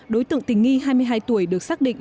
đối tượng tình nghi hai mươi hai tuổi được xác định